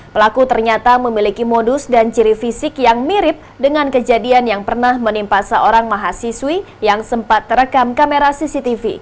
pelaku ternyata memiliki modus dan ciri fisik yang mirip dengan kejadian yang pernah menimpa seorang mahasiswi yang sempat terekam kamera cctv